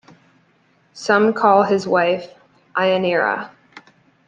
Some call his wife Ianeira.